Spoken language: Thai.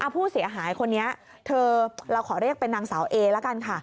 ผู้เสียหายคนนี้เธอเราขอเรียกเป็นนางสาวเอละกันค่ะ